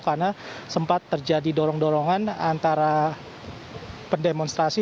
karena sempat terjadi dorong dorongan antara pendemonstrasi